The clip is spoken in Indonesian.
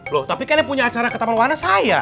loh tapi kalian punya acara ke taman wahana saya